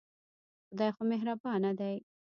خدای خو مهربانه دی.